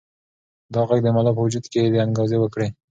دا غږ د ملا په وجود کې انګازې وکړې.